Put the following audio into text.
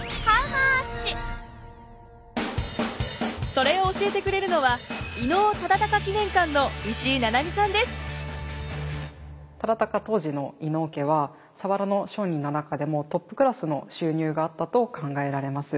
それを教えてくれるのは忠敬当時の伊能家は佐原の商人の中でもトップクラスの収入があったと考えられます。